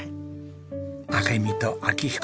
明美と明彦。